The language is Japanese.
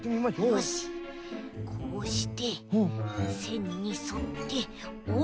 よしこうしてせんにそっておる。